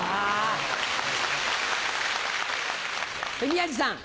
宮治さん。